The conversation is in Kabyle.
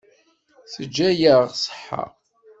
Teǧǧa-yaɣ ṣṣeḥḥa.